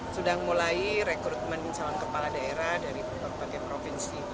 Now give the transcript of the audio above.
sudah mulai rekrutmen calon kepala daerah dari berbagai provinsi